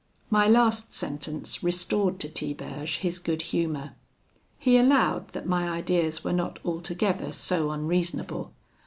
"My last sentence restored to Tiberge his good humour. He allowed that my ideas were not altogether so unreasonable.